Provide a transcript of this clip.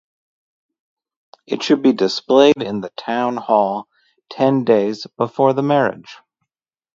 It should be displayed in the town hall ten days before the marriage.